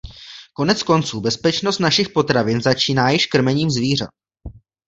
Konec konců bezpečnost našich potravin začíná již krmením zvířat.